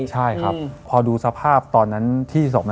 ใช่ครับพอดูสภาพตอนนั้นที่ศพ